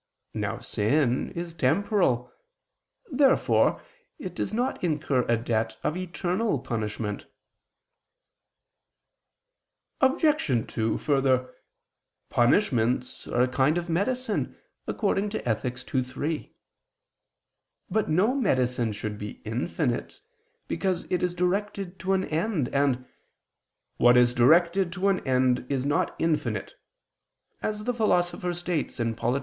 Now sin is temporal. Therefore it does not incur a debt of eternal punishment. Obj. 2: Further, "punishments are a kind of medicine" (Ethic. ii, 3). But no medicine should be infinite, because it is directed to an end, and "what is directed to an end, is not infinite," as the Philosopher states (Polit.